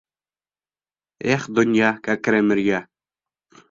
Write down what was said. Эх, донъя, кәкре мөрйә!